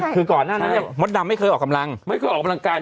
คือก่อนนั้นใช่มดนำไม่เคยออกกำลังไม่เคยออกกำลังการเอง